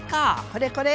これこれ！